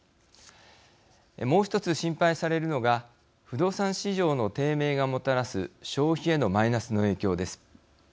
もう１つ、心配されるのが不動産市場の低迷がもたらす消費へのマイナスの影響です。